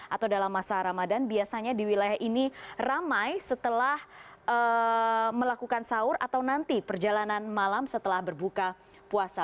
atau dalam masa ramadan biasanya di wilayah ini ramai setelah melakukan sahur atau nanti perjalanan malam setelah berbuka puasa